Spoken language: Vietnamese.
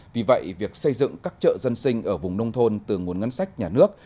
vì vậy việc xây dựng các chợ dân sinh ở vùng nông thôn từ nguồn ngân sách nhà nước